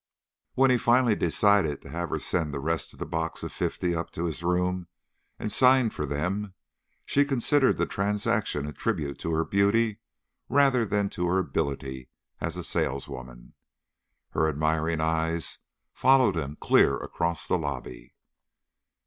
When he finally decided to have her send the rest of the box of fifty up to his room and signed for them, she considered the transaction a tribute to her beauty rather than to her ability as a saleswoman. Her admiring eyes followed him clear across the lobby.